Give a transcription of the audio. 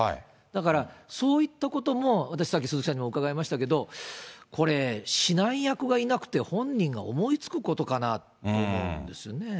だから、そういったことも私、さっき鈴木さんに伺いましたけれども、これ、指南役がいなくて、本人が思いつくことかなって思うんですよね。